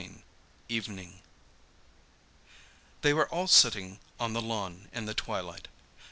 EVENING They were all sitting on the lawn in the twilight.